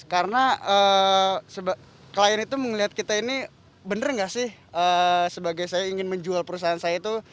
karena klien itu melihat kita ini benar gak sih sebagai saya ingin menjual perusahaan saya itu